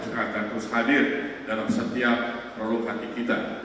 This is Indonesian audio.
pertama pancasila akan terus hadir dalam setiap roh hati kita